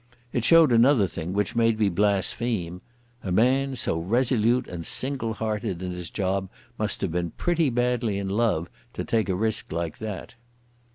It showed another thing, which made me blaspheme. A man so resolute and single hearted in his job must have been pretty badly in love to take a risk like that.